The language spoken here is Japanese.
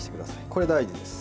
これ大事です。